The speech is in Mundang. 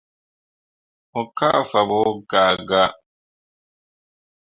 Mo kah fabo gaa gaa.